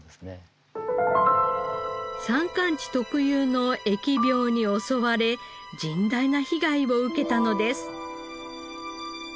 山間地特有の疫病に襲われ甚大な被害を受けたのです。